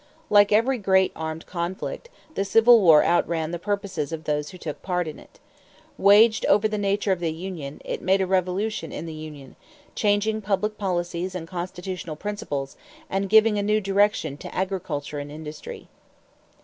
Like every great armed conflict, the Civil War outran the purposes of those who took part in it. Waged over the nature of the union, it made a revolution in the union, changing public policies and constitutional principles and giving a new direction to agriculture and industry.